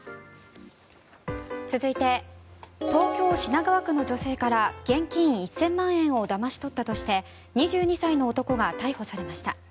続いて東京・品川区の女性から現金１０００万円をだまし取ったとして２２歳の男が逮捕されました。